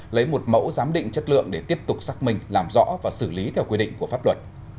lấy một mẫu giám định chất lượng để tiếp tục xác minh làm rõ và xử lý theo quy định của pháp luật